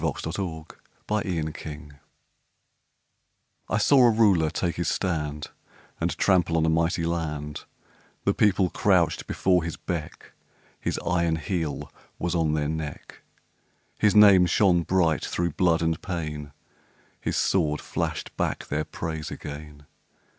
VERSE: THE THREE RULERS I saw a Ruler take his stand And trample on a mighty land; The People crouched before his beck, His iron heel was on their neck, His name shone bright through blood and pain, His sword flashed back their praise again.